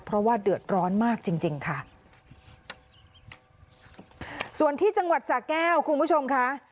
เพราะว่าเดือดร้อนมากจริงจริงค่ะส่วนที่จังหวัดสาแก้วคุณผู้ชมค่ะ